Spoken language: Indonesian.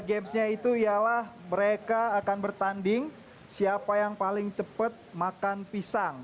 gamesnya itu ialah mereka akan bertanding siapa yang paling cepat makan pisang